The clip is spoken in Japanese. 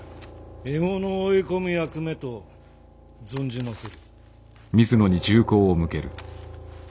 獲物を追い込む役目と存じまする。